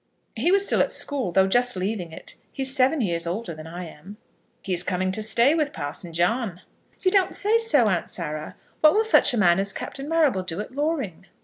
"He was still at school, though just leaving it. He is seven years older than I am." "He is coming to stay with Parson John." "You don't say so, aunt Sarah? What will such a man as Captain Marrable do at Loring?"